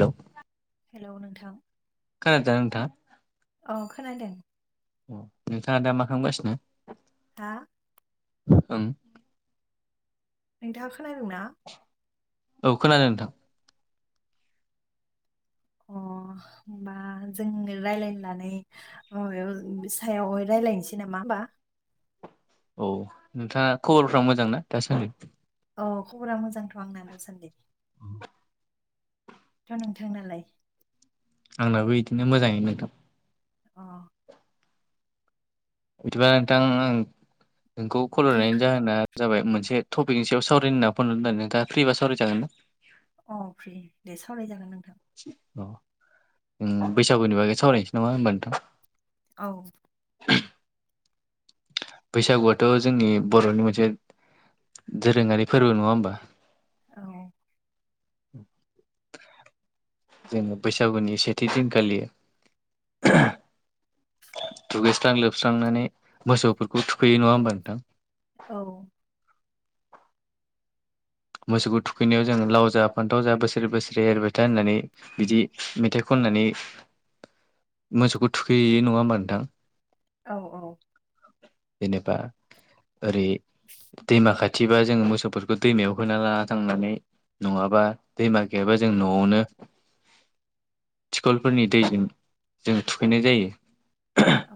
हेल' hello नोंथां खोना दो ना नोंथां औ खोनादों। अ नोंथाङा दा मा खालामगासिनो हा ओं नोंथाङा खोनादों ना औ खोनादों नोंथां अ हबा जोंनो रायलायनानै म सायाव रायजलायनोसै नामा होमबा औ नोंथाङा खबरफ मोजां ना दासान्दि औ खबरा मोजांथ' आंनानो सान्दि औ थ' नोंथांनाालाय आंनाबो बिदिनो मोजाङै मोनदों अ बिदिबा नोंथां आं नोंखौ खल'नायनि जाहोना जाबाय मोनसे टपिकनि सायाव सावरायि होनना फनरदों नोंथाङा फ्रिबा सावरायजागोन ना अ फ्रि दे सावरायजागोन नोंथां अ बैसागुनि बागै सावरायनोसै नामा होमबा नोंथां औ बैसागुआथ' जोंनि बर'नि मोनसे दोरोङारि फोरबो नङा होनबा? औ जोङो बैसागुनि सेथि दिनखालि दुगैस्रां लोबस्रांनानै मोसौफोरखौ थुखैयो नङा होमबा नोंथां औ मोसौखौ थुखैनायाव जोङो लाव जा फान्थाव जा बोसोरै बोसोरै एरबाय था होननानै बिदि मेथाइ खननानै मोसौखौ थुखैययो नङा होमबा नोंथां औ औ जेनेबा ओरै दैमा खाथि खाथिबा जोङो मोसौफोरखौ दैमायाव बखोना लाना थांनानै नङाबा दैमा गैयाबा जों न'आवनो थिखलफोरनि दैजों जों थुखैनाय जायो औ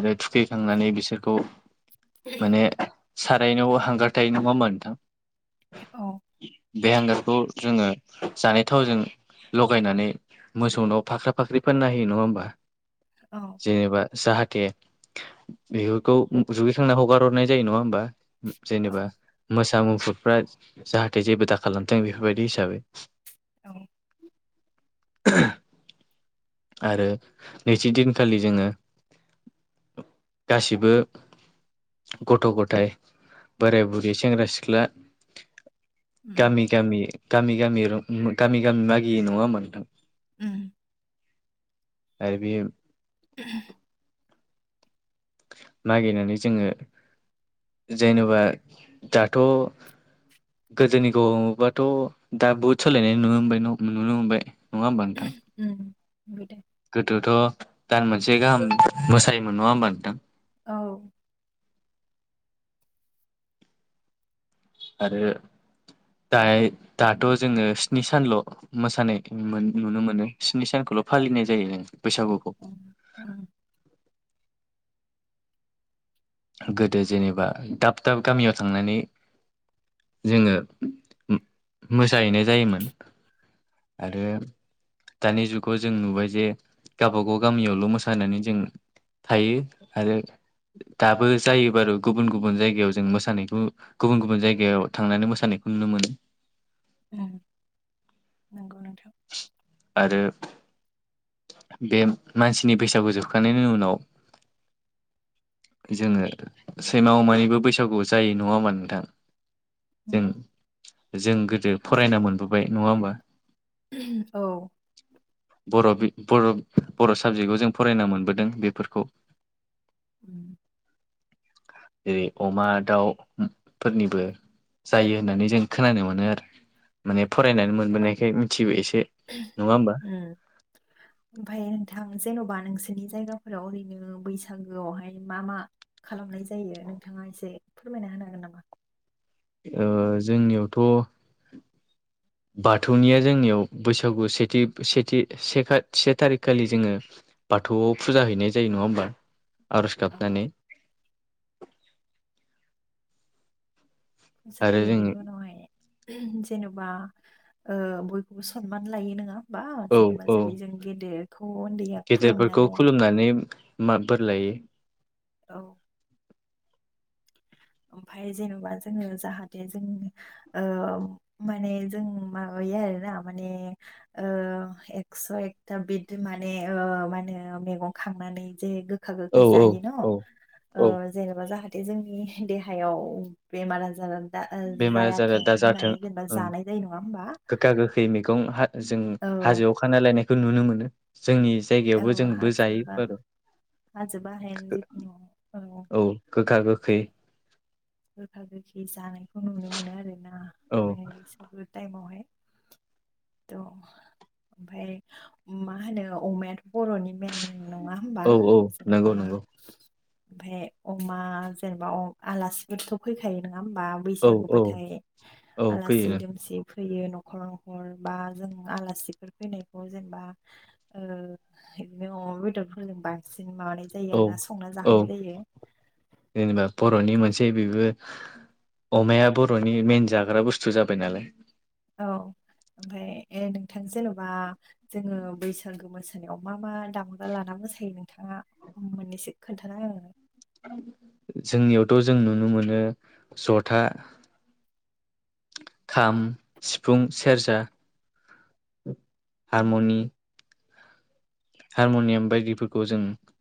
आरो थुखैखांनानै बिसोरखौ माने सारायनो' हांगारथायायो नङामोन नोंथां औ बे हांगारखौ जोङो जानाय थावजों लगायनानै मोसौ द'आव फाख्रा फाख्रि फानना होयो नङा होमबा औ जेनेबा जाहाथे बेफोरखौ जुगैखांनानै हगार हरनाय जायो नङा होमबा जेनेबा औ मोसा मुफुरफ्रा जाहाथे जेबो दा खालामथों बेफोरबायदि हिसाबै औ [unintelligible] आरो नैथि दिनखालि जोङो गासिबो गथ' गथाय बोराइ बुरै सेंग्रा सिख्ला उम गामि गामि गामि गामि गामि गामि मागिय नङामोनथां उम आरो बे [unintelligible] मागायनानै जोङो जेनेबा दाथ' गोदोनि गो नबाथ' दा बहुद सोलायनाय नुनो मोनबाय नुनो मोनबाय नङा होमबा नोंथां उम [unintelligible] गोदोथ' दान मोनसे गाहाम मोसायोमोन नङा होनोमबा नोंथां औ आरो द दाथ' जोङो स्नि सानल' मोसानाय नुनो मोनो स्नि सानखौल' फालिनाय जायो जों बैसागुखौ [unintelligible] गोदो जेनेबा दाब दाब गामियाव थांनानै जोङो मोसाहैनाय जायोमोन आरो दानि जुगाव जों नुबाय जे गावब गाव गामियावल' मोसानानै जों थायो आरो दाबो जायो बारु गुबुन गुबुन जायगायाव जों मोसानायखौ गुबुन गुबुन जायगायाव थांनानै मोसानायखौ नुनो मोनो। नंगौ नोंथां आरो बे मानसिनि बैसागु जोबखांनायनि उनाव जोङो सैमा अमानिबो बैसागु जायो नङा होमबा नोंथां? जों उम जों गोदो फरायना मोनबोबाय नङा होमब औ। बर' बर' बर' साबजेक्टआव जों फरायनो मोनबोदों बेफोरखौ उ जेरै अमा दाउ फोरनिबो जायो होननानै जों खोनानो मोनो आरो माने फरायनानै मोनबोनायखाय मिथियो एसे नङा [unintelligible] होमबा [unintelligible] [unintelligible] ओमफफ्राय नोंथां जेन'बा नोंसोरनि जायगाफोराव ओरैनो बैसागोआवहाय मा मा खालामनाय जायो नोंथाङा एसे फोरमायना होनो हागोन नामा? जोंनियावथ' बाथौनिया जोंनियाव बैसागु सेथि सेथि से से थारिखखालि जोङो बाथौआव फुजा हैनाय जायो नङा होमबा आरज औ गाबनानै आरो जायो जों बेनि उनावहाय जेनेबा बयखौबो सनमान लायो नङा बा औ जेनेबा औ जेरै जों गेलेेर दिया गेदेरफोरखौ खुलुमनानै बोर लायो। औ ओमफाय जेनेबा जोङो जाहाथे जों माने जों माबायो आरोना माने एकस' एकथा बिदि माने मा होनो मैगं खांनानै जे गोखा गोखै औ औ जायो औ औ न' जेनेबा जाहाथे जों नि देहायाव बेमार आजार दा बेमार आजारा जायाथों दा जाथों होननानै जेनेबा जानाय जायो नङा हबा ै मैगं जों हाजोआव खाना लायनायखौ नुनो मोनो जोंनि जायगायावबो औ जोंबो जायो हाजोबा आरो हाजो बाहायनो जिखुनु औ गोखा गोखै बिदियाव गोखा गोखै जानायखौ नुनो मोनो आरोना औ माने बैसागो टाइमावहाय थ' ओमफाय मा होनो अमाय बर'नि मेन नङा हबा औ औ नंगौ जेन'बा नंगौ ओमफ्राय अमा जेनेबा आलासिफोरथ' फैखायो नङा होमबा औ औ बैसागोबाथाय औ फैयो आलासि नों दुमसि फैयो न'खर खलंखल बा जों आलासिफोर फैनायखौ जेनेबा बिदिनोदफोरलबा सनेम औ औ जेनेबा बर'नि मोनसे बेबो अमाया बर'नि मेन जाग्रा बुस्थु जाबाय नालाय औ ओमफफ्राय नोंथां जेन'बा जोङो बैसागो मोसानायाव मा मा दामग्रा लाना मोसायो नोंथाङा मोननैसो खोन्थाना जोंनियावथ' जों नुनो मोनो जथा खाम सिफुं सेरजा औ हारमनि हारम'नियाम बायदिफोरखौ जों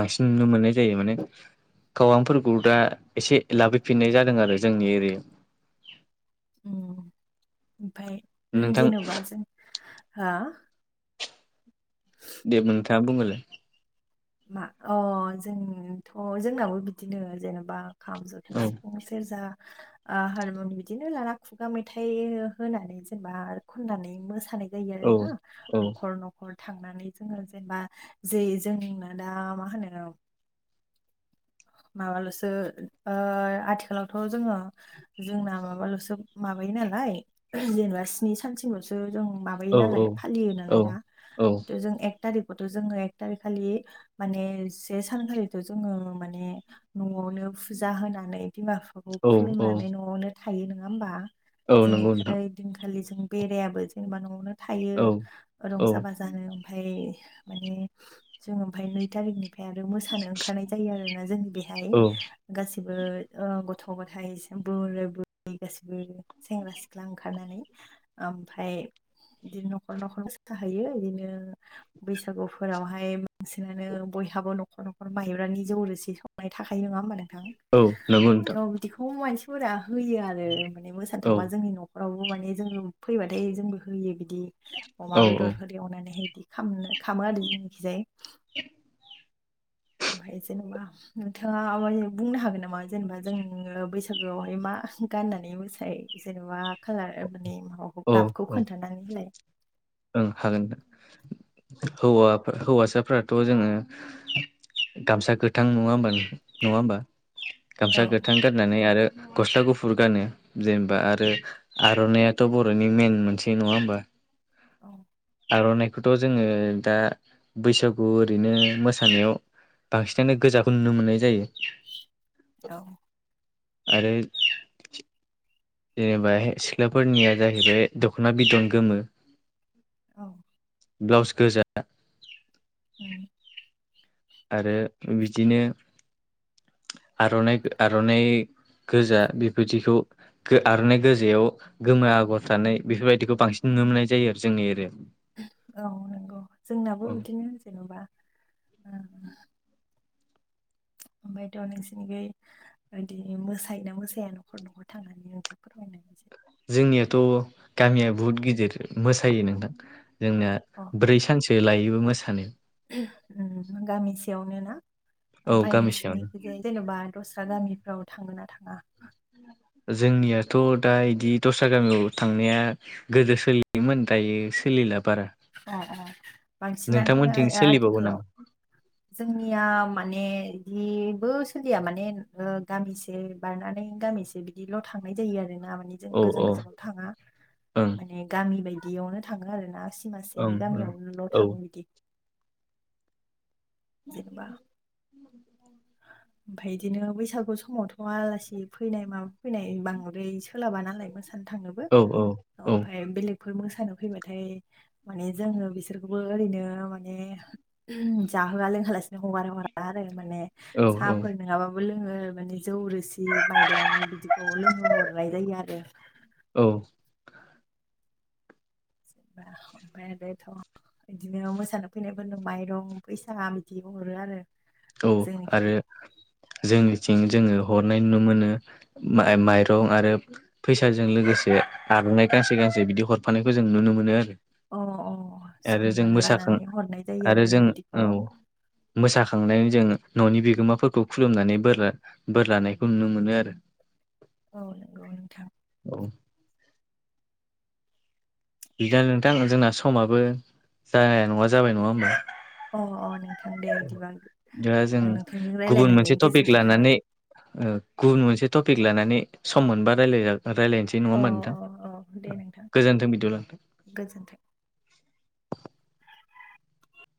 बांसिन नुनो मोननाय जायो माने गरांफोरखौ दा एसे लाबोफिननाय जादों आरो जोंनि एरियायाव ओमफाय नोंथां जेन'बा जों हो [inaudible] दे नोंथाङा बुंगोरलाय मा अ जोंथ' जोंनाबो बिदिनो जेनेबा खामजथा औ सिफुं सेरजा हारमुनि बिदिनो लाना खुगा मेथाइ होनानै जेनेबा खननानै मोसानाय औ जोना औ न'' थांनानै जोङो जेनेबा ज जों दा मा होनो माबाल'सो आथिखालावथ' जोङो जोंना माबाल'सो माबायो नालाय जेनेबा स्नि सानसेल'सो जों माब मायो औ नालाय फालियो औ नालाय दा औ जों एक थारिखखौथ' जोङो एक थारिख खालि माने से सानखालिथ' जोङो म म न'आवनो फुजा होनानै बिमा बिफाखौ औ औ खुलुमनानै न'आवनो थायो नङा होमबा औ जों नंगौ नोंथां ओइ दिनखालि जों बेरायाबो जेनेबा न'आवनो थायो औ औ रंजा बाजा जानो ओमफफ्राय माने जों ओमफफ्राय नै थारिखनिफ्राय आरो मोसानो ओंखारनाय जायो आरो ने जोंनि बेहाय औ गासिबो गथ' गथायाइ बोरै बुरै गासिबो सेंग्रा सिख्ला ओंखारनानै ओमफफ्राय बिदिनो न'खर न'खरनोोसाहैयो बिदिनो बैसागुफोरावहाय नांसिनानो बयहाबो न'खर न'खर माहब्रानि जौरो संनाय थाखाय नङा होनबा औ नंगौ नोंथां नोंथां बिदिखौ फोरा होयो आरो माने मोसानो औ थांबा जोंनि न'र रावबो माने जोङो फैबाथाय जोंबो होयो बिदि अमा औ औ बेदरफोर ए एवनानैहाय बिदि खामो आरो जोंनाखिजाय [unintelligible] ओमफ्राय जेनेबा नोंथाङा म बुंनो हागोन नामा जेनेबा जोङो बैसागोआवहाय मा गाननानै मोसायो जेन'बा खाालार माने माबाखौ औ गाबखौ औ खोन्थानानै हलाय ओं हागोन हौवा हौवासाफोराथ' जोङो गामसा गोथां नङा होनबा नङा होनबा औ गामसा गोथां गाननानै आरो गस्ला गुफुर गानो जेनेबा आरो आर'नायइाथ' बर'नि मेन मोनसे नङा होमबा औ आर'नाइखौथ' जोङो दा बैसागु ओरैनो मोसानायाव बांसिनानो गोजाखौ नुनो मोननाय जायो औ आरो जेनेबा सिख्लाफोरनिया जाहैबाय दख'ना बिदन गोमो औ ब्लाउस गोजा उम आरो बिदिनो आर'नाइ आर'नाइ गोजा बेबायदिखौ आरनाइ गोजायाव गोमो आगर थानाय बेफोरबायदिखौ बांसिन नुनो मोननाय जायो आरो जोंनि एरिया औ नंगौ जोंनाबो बिदिनो जेनेबा ओमफायथ' नोंसोनिगै बिदि मोसायोना मोसाया न'खर न'खर थांनानै नोंथाङ फोरमायनायसै जोंनियाथ' गामिया बहुद गिदिर मोसायो नोंथां जोंनाया अ ब्रै सानसो लायोबो मोसानो गामिसेयावनोना औ ओमफ्राय गामिसेयावनो नोंसिरनिखै जेन'बा दस्रा गामिफ्राव थाङोना थाङा जोंनियाथ' दा बिदि दस्रा गामियाव थांनाया गोदो सोलियोमोन दायो सोलिला बारा बांसिनानो नोंथांमोनथिं सोलिबावो आथिखालाव नामा जोंनिया माने बिदिबो सोलिया माने गामिसे बारनानै गामिसे बिदिल' थांनाय जायो आरो ना माने जों औ गोजान औ गोजानाव थाङा ओं माने गामि बायदियावनो थाङो आरोना ओं सिमासेनि ओं गामियाव नल' औ थाङो बिदि जेनेबा [inaudible] ओमफफ्राय बिदिनो बैसागु समावथ' आलासि फैनाय माबा फैनाय बांद्राय सोलाबा नालाय मो सानो थांनोबो औ औ ओमफ्राय बेलेगफोर मोसानो फैबाथाय माने जोो बिसोरखौ बो ओरैनो माने जाहोआ लोंहोलासिनो हगार हरा आरो माने औ साफोर नङाबाबो लोङो माने जौ रोसि माइब्रानि बिदिखौ लोंङो हरनाय जायो आरो औ जेनबा ओमफाय बेथ बिदिनो मोसानो फैनायफोरनो माइरं फैसा बिदि हरो आरो औ जोंनिखिजाय आरो जोंनिथिं जोङो हरनाय नुनो मोनो माइरं आरो फैसाजों लोगोसे आर'नाय गांसे गांसे बिदि हरफानायखौ जों नुनो मोनो आरो अ-अ आरो जों सनमान मोसाखां लानानै हरनाय जायो आरोना बिदिखौ मोसा थांनानै जों न'नि बिगोमाफोरखौ खुलुमनानै बोर बोर लानायखौ नुनो मोनो आरो [inaudible] औ नंगौ नोंथां औ बिदिनो नोंथां जोंना समाबो जाया नङा जाबाय नङा होमबा अ-अ नोंथां दे बिदिबां दा जों नोंथांजों गुबुन रायलायनानै मोनसे टपिक गोजोननाय थाबाय लानानै गुबुन मोनसे टपिक लानानै सम मोनबा रायलाय जा रायलायसै दे नङा अ होमबा नोंथां अ औ दे नोंथां गोजोन्थों बिदिबा गोजोन्थों [unintelligible]